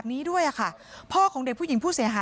พี่น้องของผู้เสียหายแล้วเสร็จแล้วมีการของผู้เสียหาย